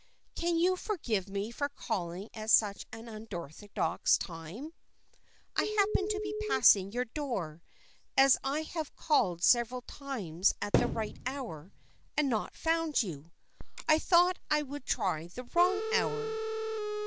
"Can you forgive me for calling at such an unorthodox time? I happened to be passing your door, and as I have called several times at the right hour and not found you, I thought I would try the wrong hour."